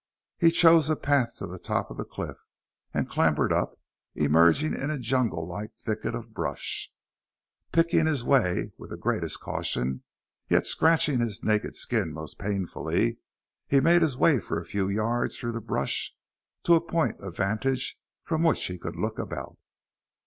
He chose a path to the top of the cliff and clambered up, emerging in a jungle like thicket of brush. Picking his way with the greatest caution, yet scratching his naked skin most painfully, he made his way for a few yards through the brush to a point of vantage from which he could look about.